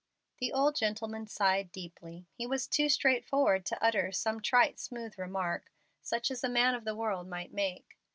The old gentleman sighed deeply. He was too straightforward to utter some trite, smooth remark, such as a man of the world might make.